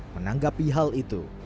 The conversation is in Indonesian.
menanggapi hal itu